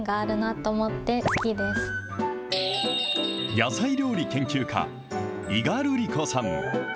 野菜料理研究家、伊賀るり子さん。